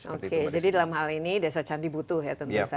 oke jadi dalam hal ini desa candi butuh ya tentu saja